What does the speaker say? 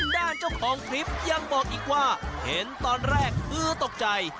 เจ้าของคลิปยังบอกอีกว่าเห็นตอนแรกคือตกใจ